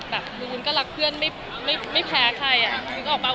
แบบวุ้นก็รักเพื่อนไม่แพ้ใครอะ